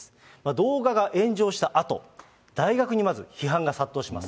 動画が炎上したあと、大学にまず、批判が殺到します。